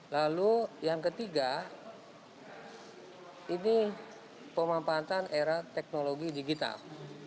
lalu yang ketiga ini pemanfaatan era teknologi digital